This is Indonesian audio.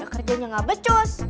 kerjanya gak becus